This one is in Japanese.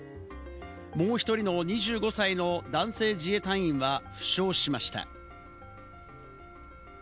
もう１人の２５歳の男性自衛隊員は負傷しました。